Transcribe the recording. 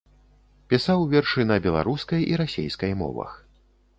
Пісаў вершы на беларускай і расейскай мовах.